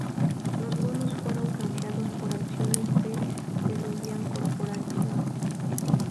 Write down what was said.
Los bonos fueron canjeados por acciones de la Peruvian Corporation.